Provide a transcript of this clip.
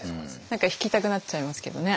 何か弾きたくなっちゃいますけどね。